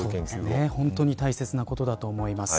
本当に大切なものだと思います。